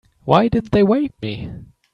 Why didn't they wake me?